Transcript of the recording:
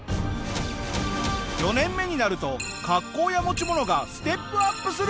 ４年目になると格好や持ち物がステップアップするんだ！